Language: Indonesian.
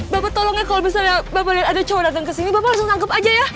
bapak tolong ya kalau misalnya bapak liat ada cowok dateng kesini bapak langsung tangkep aja ya